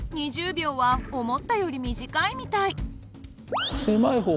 ２０秒は思ったより短いみたい。